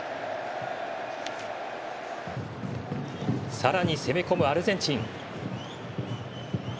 さらに攻め込むアルゼンチン。